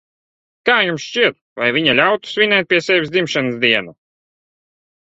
Kā jums šķiet, vai viņa ļautu svinēt pie sevis dzimšanas dienu?